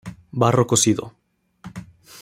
Barro cocido.